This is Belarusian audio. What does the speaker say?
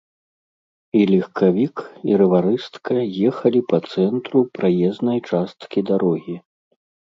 І легкавік, і раварыстка ехалі па цэнтру праезнай часткі дарогі.